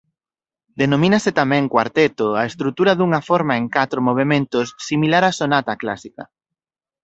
Denomínase tamén cuarteto á estrutura dunha forma en catro movementos similar á sonata clásica.